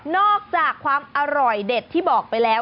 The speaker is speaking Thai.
อกจากความอร่อยเด็ดที่บอกไปแล้ว